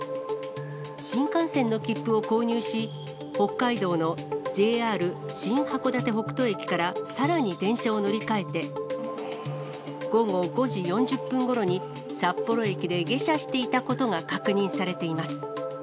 新幹線の切符を購入し、北海道のＪＲ新函館北斗駅から、さらに電車を乗り換えて、午後５時４０分ごろに、札幌駅で下車していたことが確認されています。